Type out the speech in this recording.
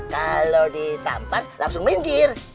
kalau ditampar langsung minggir